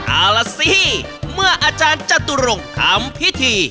เอาล่ะสิเมื่ออาจารย์จตุรงค์ทำพิธี